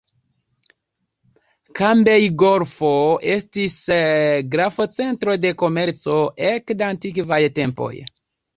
Kambej-Golfo estis grava centro de komerco ekde antikvaj tempoj.